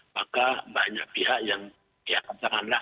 maka banyak pihak yang ya kencang kencanglah